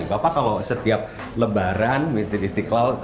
bapak kalau setiap lebaran masjid istiqlal